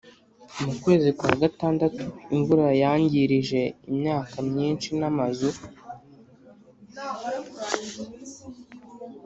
Mukwezi kwa gatandatu imvura yangirije imyaka myinshi n’amazu